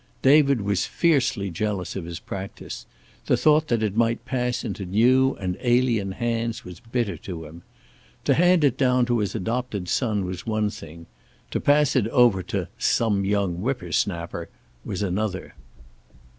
David was fiercely jealous of his practice; the thought that it might pass into new and alien hands was bitter to him. To hand it down to his adopted son was one thing; to pass it over to "some young whipper snapper" was another.